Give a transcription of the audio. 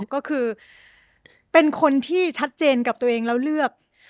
ก็คือเป็นคนที่ชัดเจนกับตัวเองแล้วเลือก